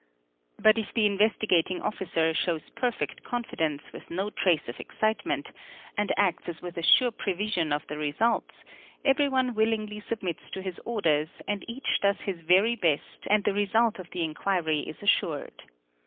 — But if the Investigating Officer shows perfect confidence with no trace of excitement, and acts as with a sure prevision of the results, everyone | willingly submits to his orders and each does his very best and the result of the enquiry is assured.